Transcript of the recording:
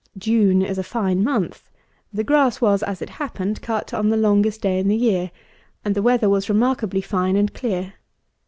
June is a fine month. The grass was, as it happened, cut on the longest day in the year; and the weather was remarkably fine and clear.